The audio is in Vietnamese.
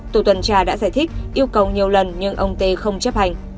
tổ tuần tra đã giải thích yêu cầu nhiều lần nhưng ông tê không chấp hành